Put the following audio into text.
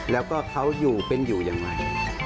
แล้วก็เขาอยู่เป็นอยู่อย่างไร